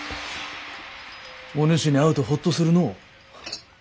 お主に会うとホッとするのう。